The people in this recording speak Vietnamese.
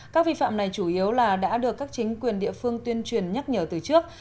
các vi phạm này chủ yếu là đã được các chính quyền địa phương tuyên truyền nhắc nhở từ trước